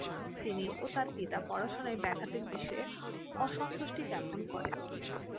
তিনি ও তার পিতা পড়াশোনায় ব্যাঘাতের বিষয়ে অসন্তুষ্টিজ্ঞাপন করেন।